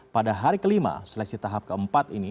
pada hari kelima seleksi tahap keempat ini